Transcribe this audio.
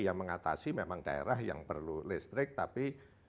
yang mengatasi memang daerah yang perlu listrik tapi